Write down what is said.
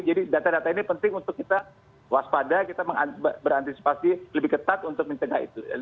jadi data data ini penting untuk kita waspada kita berantisipasi lebih ketat untuk mencegah itu